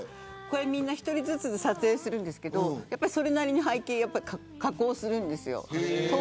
１人ずつ撮影するんですけどそれなりに背景加工するんですよ。